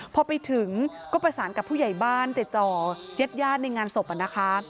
พอไปถึงก็ประสานกับผู้ใหญ่บ้านติดต่อยาดในงานศพนะคะ